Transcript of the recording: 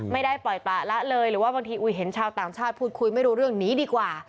ไม่ได้ปล่อยปละละเลยหรือว่าบางทีเห็นชาวต่างชาติพูดคุยไม่รู้เรื่องนี้ดีกว่า